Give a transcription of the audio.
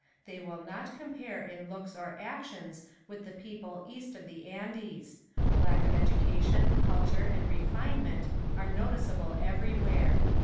They will not compare in looks or actions with the people east of the Andes. Lack of education, culture and refinement are noticeable everywhere.